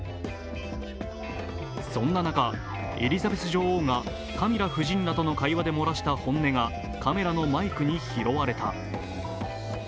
そんな中、エリザベス女王がカミラ夫人らとの会話で漏らした本音がカメラのマイクに拾われた。